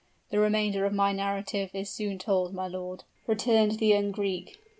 The remainder of my narrative is soon told, my lord," returned the young Greek.